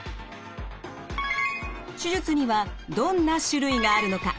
手術にはどんな種類があるのか？